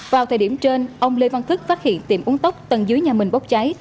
vào thời điểm trên ông lê văn thức phát hiện tiệm uống tốc tầng dưới nhà mình bốc cháy